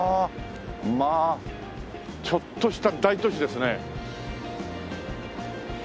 まあちょっとした大都市ですね。